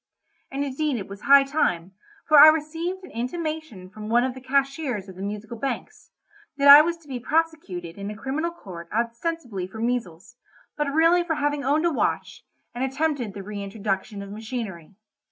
And indeed it was high time, for I received an intimation from one of the cashiers of the Musical Banks, that I was to be prosecuted in a criminal court ostensibly for measles, but really for having owned a watch, and attempted the reintroduction of machinery.